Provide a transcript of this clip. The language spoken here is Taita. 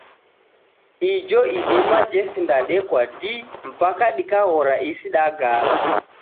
Ijo idima jesindadekwa dii, mpaka dikaghora isi dagala.